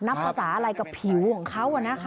ภาษาอะไรกับผิวของเขา